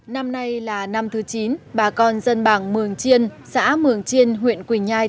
năm nay là năm thứ chín bà con dân bản mường chiên xã mường chiên huyện quỳnh nhai